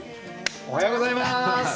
おはようございます！